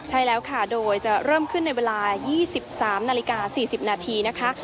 ใช่แล้วค่ะโดยจะเริ่มขึ้นในเวลา๒๓นาฬิกา๔๐นาทีนะคะ